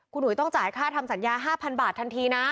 คุณหุยต้องจ่ายค่าทำสัญญา๕๐๐บาททันทีนะ